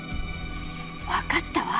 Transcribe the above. わかったわ。